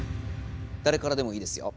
だれからでもいいですよ。